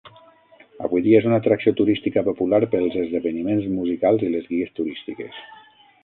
Avui dia és una atracció turística popular pels esdeveniments musicals i les guies turístiques.